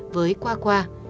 với qua qua